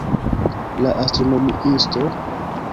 La astronomiisto?